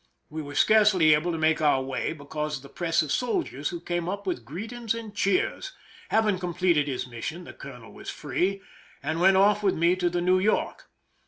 We were scarcely able to make our way because of the press of soldiers who came up with greetings and cheers. Having completed his mission, the colonel was free, and went off with me to the New York.